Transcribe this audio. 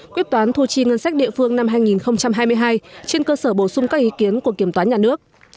quyết toán thu chi ngân sách địa phương năm hai nghìn hai mươi hai trên cơ sở bổ sung các ý kiến của kiểm toán nhà nước